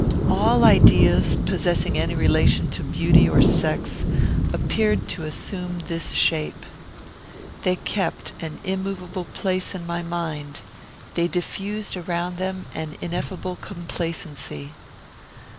All ideas, possessing any relation to beauty or sex, appeared to assume this shape. They kept an immovable place in my mind, they diffused around them an ineffable complacency.